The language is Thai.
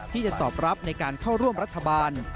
ที่จะตอบรับในการเข้าร่วมรัฐบาล